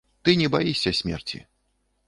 Ты не баішся смерці.